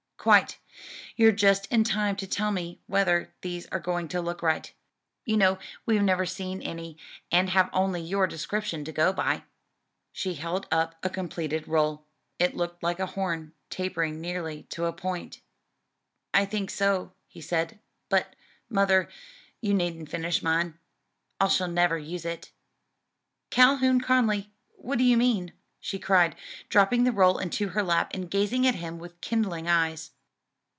"Quite. You're just in time to tell me whether these are going to look right. You know we've never seen any, and have only your description to go by." She held up a completed roll. It looked like a horn, tapering nearly to a point. "I think so," he said; "but, mother, you needn't finish mine: I shall never use it." "Calhoun Conly, what do you mean?" she cried, dropping the roll into her lap, and gazing at him with kindling eyes.